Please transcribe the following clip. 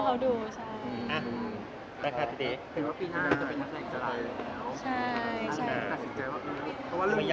เปลี่ยนมากในวันอันในวันพิศาเนียล